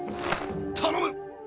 頼む！